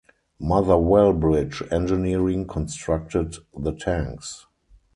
Motherwell Bridge Engineering constructed the tanks.